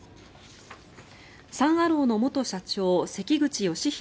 サン・アローの元社長関口芳弘